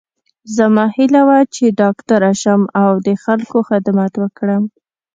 زما هیله وه چې ډاکټره شم او د خلکو خدمت وکړم